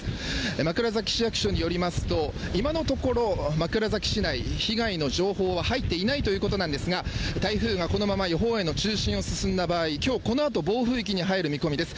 枕崎市役所によりますと、今のところ、枕崎市内、被害の情報は入っていないということなんですが、台風がこのまま予報円の中心を進んだ場合、きょう、このあと暴風域に入る見込みです。